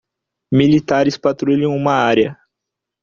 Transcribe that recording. Militares patrulham uma área